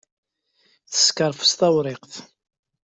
Teskerfeṣ tawriqt.